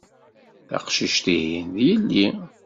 Taqcict-ihin, d yelli.